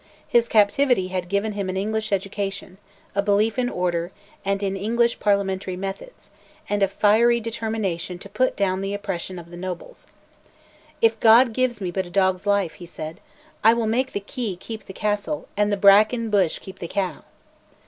His captivity had given him an English education, a belief in order, and in English parliamentary methods, and a fiery determination to put down the oppression of the nobles. "If God gives me but a dog's life," he said, "I will make the key keep the castle and the bracken bush keep the cow."